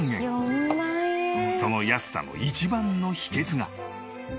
その安さの一番の秘訣が。